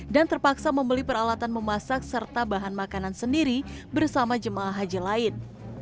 dan terpaksa membeli peralatan memasak serta bahan makanan sendiri bersama jemaah haji lain